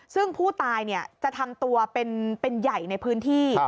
ซึ่งผู้ตายจะทำตัวเป็นใหญ่ในพื้นที่